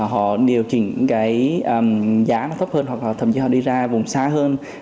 họ điều chỉnh cái giá nó thấp hơn hoặc là thậm chí họ đi ra vùng xa hơn